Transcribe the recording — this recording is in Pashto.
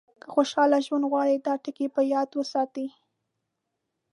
که خوشاله ژوند غواړئ دا ټکي په یاد وساتئ.